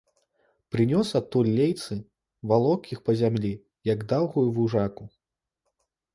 Прынёс адтуль лейцы, валок іх па зямлі, як даўгую вужаку.